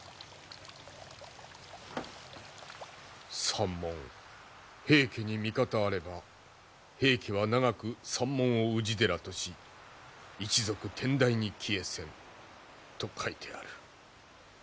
「山門平家に味方あれば平家は永く山門を氏寺とし一族天台に帰依せん」と書いてある。